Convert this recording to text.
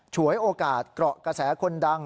ฉวยโอกาสเกราะกระแสคนดัง